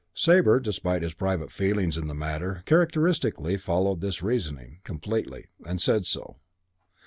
Sabre, despite his private feelings in the matter, characteristically followed this reasoning completely, and said so.